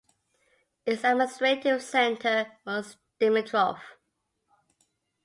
Its administrative centre was Dmitrov.